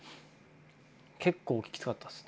結構きつかったですね。